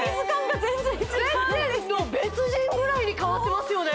全然もう別人ぐらいに変わってますよね